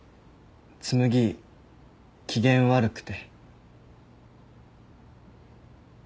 紬機嫌悪くて。